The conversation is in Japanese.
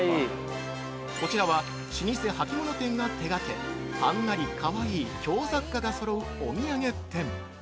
◆こちらは老舗履物店が手がけはんなり、かわいい京雑貨がそろうお土産店。